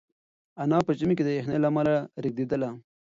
انا په ژمي کې د یخنۍ له امله رېږدېدله.